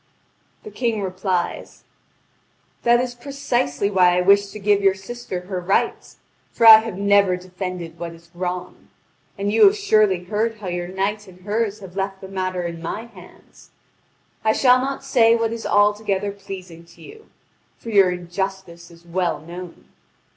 The King replies: "That is precisely why I wish to give your sister her rights; for I have never defended what is wrong. And you have surely heard how your knight and hers have left the matter in my hands. I shall not say what is altogether pleasing to you; for your injustice is well known.